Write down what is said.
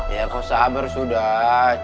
ya kok sabar sudah